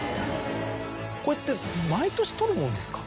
これって毎年取るもんですか？